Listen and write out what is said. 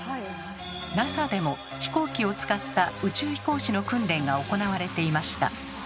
ＮＡＳＡでも飛行機を使った宇宙飛行士の訓練が行われていました。